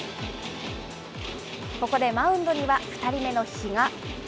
ここでマウンドには、２人目の比嘉。